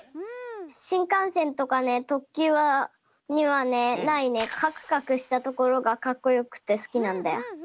しんかんせんとかねとっきゅうにはないねカクカクしたところがカッコよくてすきなんだよ。